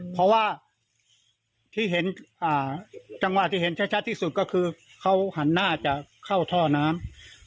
เพราะว่าที่เห็นจังหวะที่เห็นชัดที่สุดก็คือเขาหันหน้าจะเข้าท่อน้ำ